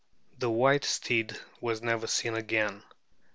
The white steed was never seen again.